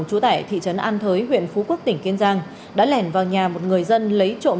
trú tại thị trấn an thới huyện phú quốc tỉnh kiên giang đã lẻn vào nhà một người dân lấy trộm